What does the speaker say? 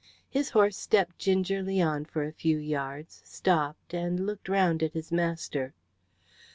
His horse stepped gingerly on for a few yards, stopped, and looked round at his master.